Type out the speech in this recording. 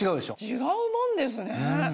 違うもんですね！